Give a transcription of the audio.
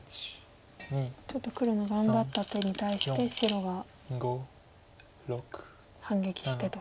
ちょっと黒の頑張った手に対して白が反撃してと。